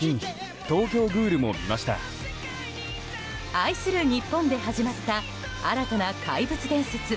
愛する日本で始まった新たな怪物伝説。